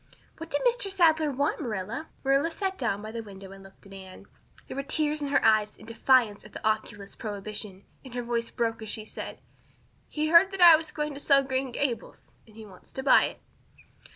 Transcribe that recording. "What did Mr. Sadler want, Marilla?" Marilla sat down by the window and looked at Anne. There were tears in her eyes in defiance of the oculist's prohibition and her voice broke as she said: "He heard that I was going to sell Green Gables and he wants to buy it."